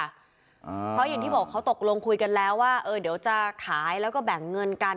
เพราะอย่างที่บอกเขาตกลงคุยกันแล้วว่าเออเดี๋ยวจะขายแล้วก็แบ่งเงินกัน